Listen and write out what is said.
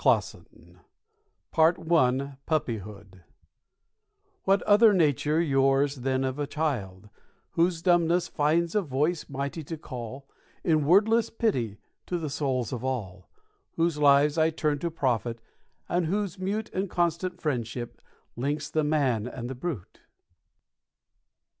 Lehmann_ 174 PART I PUPPYHOOD _"What other nature yours than of a child Whose dumbness finds a voice mighty to call, In wordless pity, to the souls of all, Whose lives I turn to profit, and whose mute And constant friendship links the man and brute?"